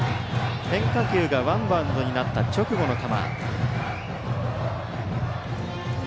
変化球がワンバウンドになった直後の球。